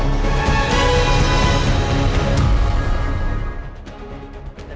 iyoi siap orang yang terhormat